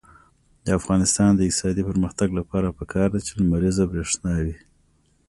د افغانستان د اقتصادي پرمختګ لپاره پکار ده چې لمریزه برښنا وي.